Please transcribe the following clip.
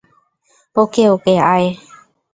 ওকে, okay, আয়।